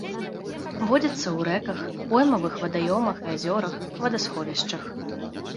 Водзіцца ў рэках, поймавых вадаёмах і азёрах, вадасховішчах.